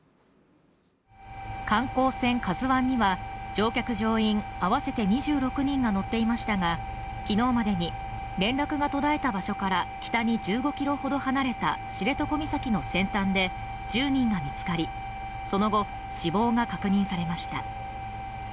観光船「ＫＡＺＵⅠ」には乗客・乗員合わせて２６人が乗っていましたが昨日までに連絡が途絶えた場所から北に１５ｋｍほど離れた知床岬の先端で１０人が見つかり、その後、死亡が確認されました。